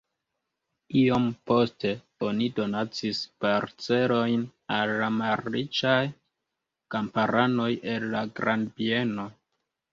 Iom poste oni donacis parcelojn al la malriĉaj kamparanoj el la grandbieno.